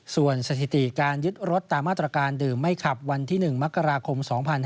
ส่วนสถิติการยึดรถตามมาตรการดื่มไม่ขับวันที่๑มกราคม๒๕๕๙